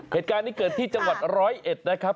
เหตุการณ์นี้เกิดที่จังหวัดร้อยเอ็ดนะครับ